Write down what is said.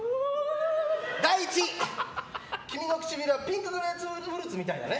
第１位、君の唇はピンクグレープフルーツみたいだね。